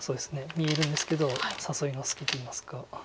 見えるんですけど誘いの隙といいますか。